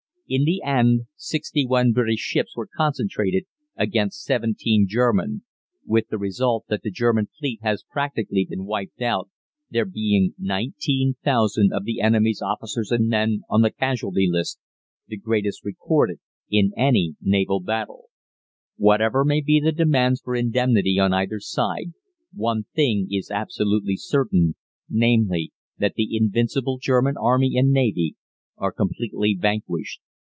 In the end sixty one British ships were concentrated against seventeen German, with the result that the German fleet has practically been wiped out, there being 19,000 of the enemy's officers and men on the casualty list, the greatest recorded in any naval battle. "Whatever may be the demands for indemnity on either side, one thing is absolutely certain, namely, that the invincible German Army and Navy are completely vanquished.